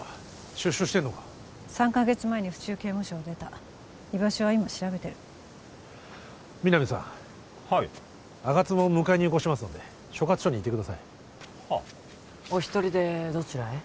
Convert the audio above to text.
出所してんのか３カ月前に府中刑務所を出た居場所は今調べてる皆実さんはい吾妻を迎えによこしますので所轄署にいてくださいはあお一人でどちらへ？